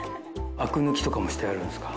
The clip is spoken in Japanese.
あく抜きとかもしてあるんですか？